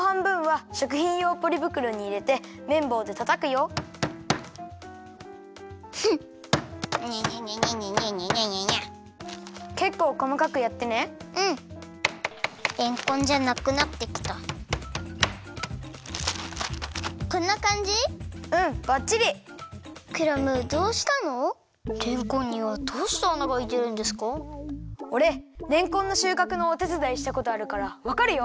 おれれんこんのしゅうかくのおてつだいしたことあるからわかるよ。